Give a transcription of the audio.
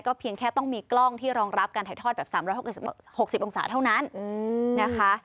เพียงแค่ต้องมีกล้องที่รองรับการถ่ายทอดแบบ๓๖๐องศาเท่านั้นนะคะ